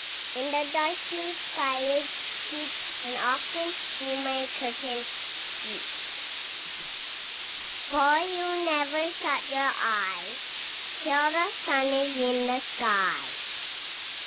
In the dark blue sky you keep, And often through my curtains peep, For you never shut your eye, Till the sun is in the sky.